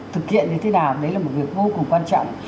thực hiện như thế nào đấy là một việc vô cùng quan trọng